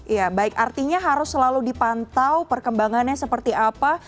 ya baik artinya harus selalu dipantau perkembangannya seperti apa